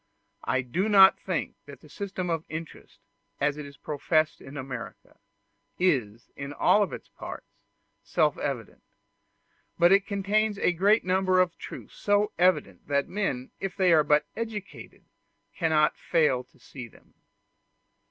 I do not think that the system of interest, as it is professed in America, is, in all its parts, self evident; but it contains a great number of truths so evident that men, if they are but educated, cannot fail to see them.